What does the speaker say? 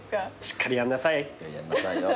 「しっかりやんなさいよ」